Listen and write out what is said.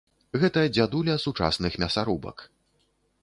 Гэта дзядуля сучасных мясарубак!